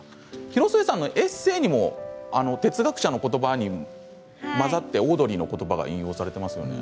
広末さんのエッセーにも哲学者のことばに混ざってオードリーのことばが引用されていますよね。